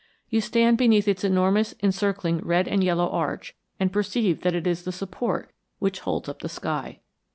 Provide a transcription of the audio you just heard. You stand beneath its enormous encircling red and yellow arch and perceive that it is the support which holds up the sky.